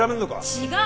違う！